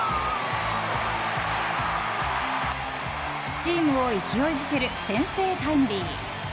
チームを勢いづける先制タイムリー！